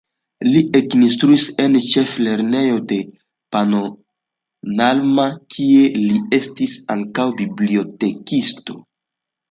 Li ekinstruis en ĉeflernejo de Pannonhalma, kie li estis ankaŭ bibliotekisto.